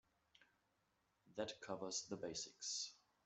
That covers the basics.